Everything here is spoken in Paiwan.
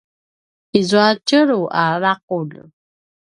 izua a tjelu a laqulj